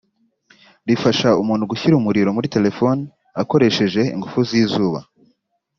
rifasha umuntu gushyira umuriro muri telefoni akoresheje ingufu z’izuba